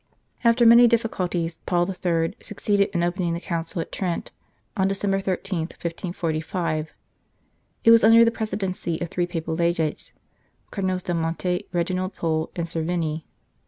After many difficulties Paul III. succeeded in opening the Council at Trent on December 13, 1545. It was under the presidency of three Papal Legates, Cardinals del Monte, Reginald Pole, and Cervini.